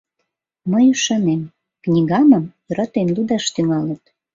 “Мый ӱшанем, книгамым йӧратен лудаш тӱҥалыт.